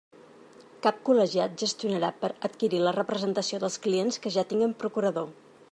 Cap col·legiat gestionarà per adquirir la representació dels clients que ja tinguen procurador.